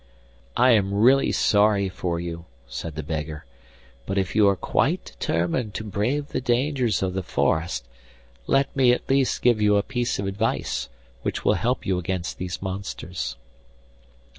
'I am really sorry for you,' said the beggar, 'but if you are quite determined to brave the dangers of the forest, let me at least give you a piece of advice which will help you against these monsters.